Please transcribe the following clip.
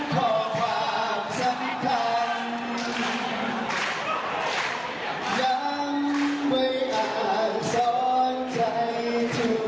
คิดเส้นตายเอาไว้ว่าเธอไม่รัก